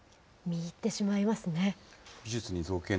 見入ってしまいますね。